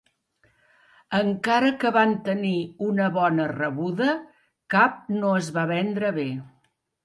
Encara que van tenir una bona rebuda, cap no es va vendre bé.